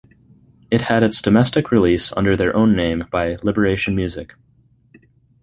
It had its domestic release under their own name by Liberation Music.